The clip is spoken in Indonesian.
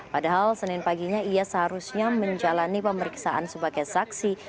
padahal senin paginya ia seharusnya menjalani pemeriksaan sebagai saksi